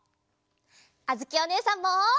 あづきおねえさんも！